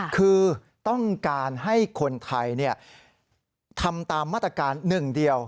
คือต้องการให้คนไทยทำตามมาตรการหนึ่งเดียว